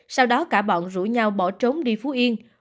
sau đó cả bọn rủ nhau bỏ trốn đi phú yên